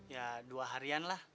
ya dua harian lah